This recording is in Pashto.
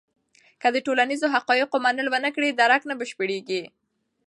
که د ټولنیزو حقایقو منل ونه کړې، درک نه بشپړېږي.